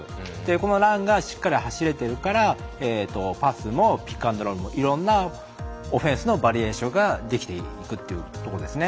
このランがしっかり走れているからパスもピック＆ロールもいろんなオフェンスのバリエーションができていくというところですね。